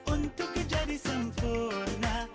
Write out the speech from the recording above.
untuk kejadi sempurna